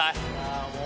あぁもう。